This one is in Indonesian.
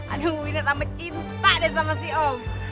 aduh wina sama cinta deh sama si om